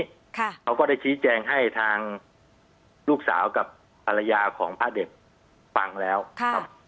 เขาก็ได้ชี้แจงให้ทางลูกสาวกับภรรยาของพระเด็กฟังแล้วครับ